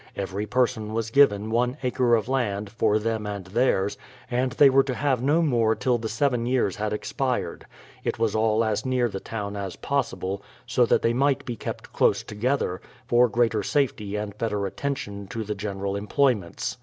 Every person was given one acre of land, for them and theirs, and they were to have no more till the seven years had expired ; it was all as near the town as possible, so that they might be kept close together, for greater safety and better atten tion to the general employments.